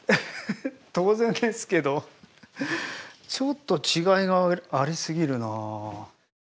当然ですけどちょっと違いがありすぎるなぁ。